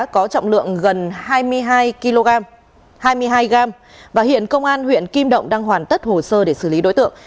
có trọng lượng gần hai mươi hai g và hiện công an huyện kim động đang hoàn tất hồ sơ để xử lý đối tượng